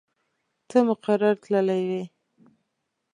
ته مقر تللی وې.